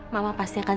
mama pasti akan